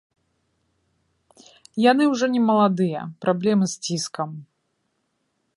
Яны ўжо немаладыя, праблемы з ціскам.